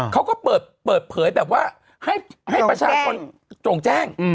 เขาก็เปิดเผยแบบว่าให้ประชาชนโจ่งแจ้ง